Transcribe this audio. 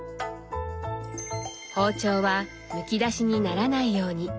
包丁はむき出しにならないように。